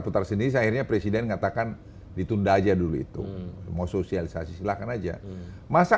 putar sendiri akhirnya presiden mengatakan ditunda aja dulu itu mau sosialisasi silahkan aja masa